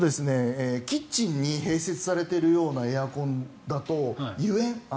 キッチンに併設されているようなエアコンだと油煙。